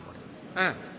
うん。